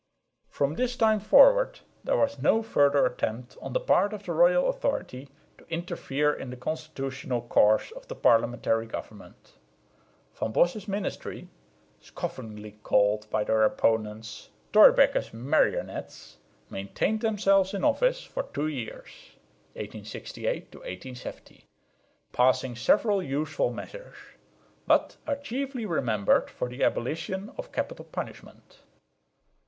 From this time forward there was no further attempt on the part of the royal authority to interfere in the constitutional course of parliamentary government. Van Bosse's ministry, scoffingly called by their opponents "Thorbecke's marionettes," maintained themselves in office for two years(1868 70), passing several useful measures, but are chiefly remembered for the abolition of capital punishment.